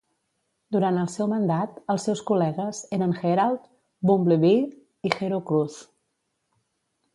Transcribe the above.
Durant el seu mandat, els seus col·legues eren Herald, Bumblebee i Hero Cruz.